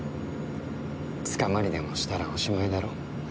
捕まりでもしたらおしまいだろ。